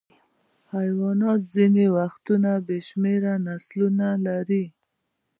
حیوانات ځینې وختونه بې شمېره نسلونه لري.